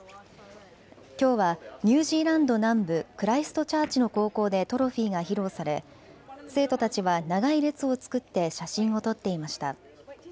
きょうはニュージーランド南部クライストチャーチの高校でトロフィーが披露され生徒たちは長い列を作って写真を撮っていました。